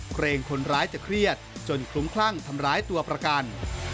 เกรงคนร้ายจะเครียดจนคลุ้มคลั่งทำร้ายตัวประกัน